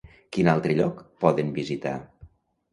Quin altre lloc poden visitar?